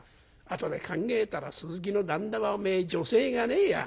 後で考えたら鈴木の旦那はおめえ如才がねえや。